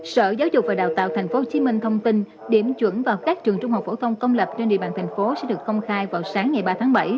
sở giáo dục và đào tạo tp hcm thông tin điểm chuẩn vào các trường trung học phổ thông công lập trên địa bàn thành phố sẽ được công khai vào sáng ngày ba tháng bảy